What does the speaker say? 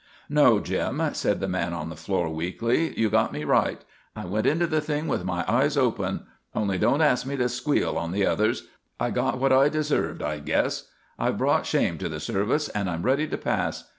"No, Jim," said the man on the floor, weakly. "You got me right. I went into the thing with my eyes open. Only don't ask me to squeal on the others. I got what I deserved, I guess. I've brought shame to the service and I'm ready to pass.